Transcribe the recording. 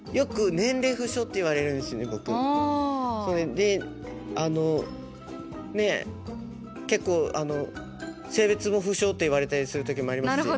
であのねっ結構あの性別も不詳って言われたりする時もありますし。